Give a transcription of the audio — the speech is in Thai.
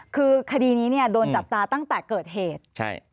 คือคดีนี้เนี่ยโดนจับตาตั้งแต่เกิดเหตุใช่